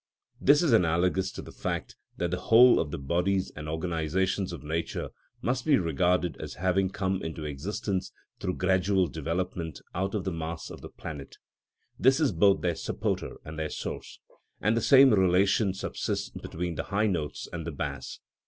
This is analogous to the fact that the whole of the bodies and organisations of nature must be regarded as having come into existence through gradual development out of the mass of the planet; this is both their supporter and their source, and the same relation subsists between the high notes and the bass.